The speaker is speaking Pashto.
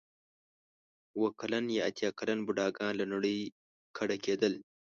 اوه کلن یا اتیا کلن بوډاګان له نړۍ کډه کېدل.